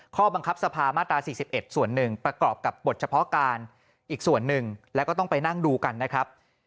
ข้อบังคับสภามาตรา๔๑ส่วนหนึ่งประกอบกับบทเฉพาะการอีกส่วนหนึ่งแล้วก็ต้องไปนั่งดูกันนะครับ